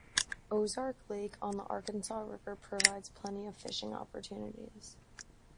Ozark Lake on the Arkansas River provides plenty of fishing opportunities.